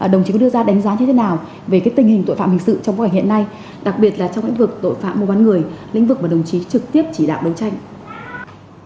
đồng chí có đưa ra đánh giá như thế nào về tình hình tội phạm hình sự trong bối cảnh hiện nay đặc biệt là trong lĩnh vực tội phạm mua bán người lĩnh vực mà đồng chí trực tiếp chỉ đạo đấu tranh